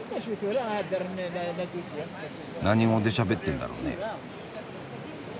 何語でしゃべってんだろうね？